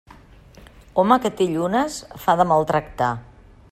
Home que té llunes, fa de mal tractar.